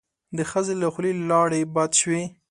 د ښځې له خولې لاړې باد شوې.